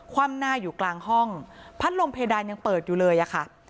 ว่ำหน้าอยู่กลางห้องพัดลมเพดานยังเปิดอยู่เลยอะค่ะ